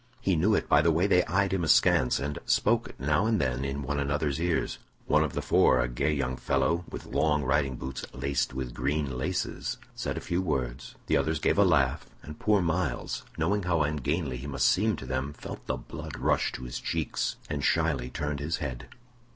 He knew it by the way they eyed him askance, and spoke now and then in one another's ears. One of the four, a gay young fellow, with long riding boots laced with green laces, said a few words, the others gave a laugh, and poor Myles, knowing how ungainly he must seem to them, felt the blood rush to his cheeks, and shyly turned his head.